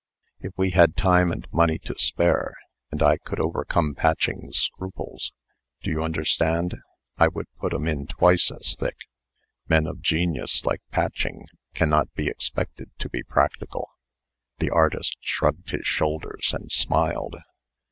If we had time and money to spare, and I could overcome Patching's scruples do you understand? I would put 'em in twice as thick. Men of genius, like Patching, cannot be expected to be practical." The artist shrugged his shoulders, and smiled.